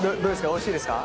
おいしいですか？